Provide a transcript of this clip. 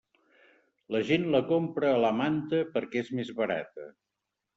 La gent la compra a la manta perquè és més barata.